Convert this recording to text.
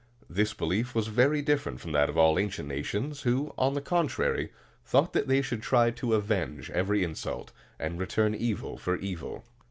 This belief was very different from that of all ancient nations, who, on the contrary, thought that they should try to avenge every insult, and return evil for evil.